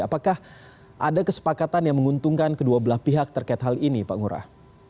apakah ada kesepakatan yang menguntungkan kedua belah pihak terkait hal ini pak ngurah